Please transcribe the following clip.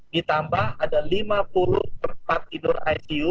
ditambah ada lima puluh tempat tidur icu